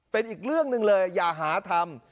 เป็นอีกเรื่องหนึ่งเลยอย่าหาทำ